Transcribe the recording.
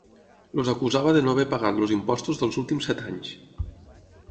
Els acusava de no haver pagat els imposts dels últims set anys.